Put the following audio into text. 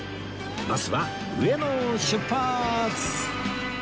バスは上野を出発！